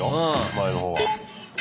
前の方は。